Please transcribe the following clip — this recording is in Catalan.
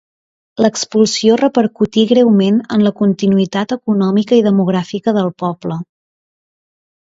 L'expulsió repercutí greument en la continuïtat econòmica i demogràfica del poble.